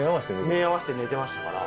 目ぇ合わせて寝てましたから。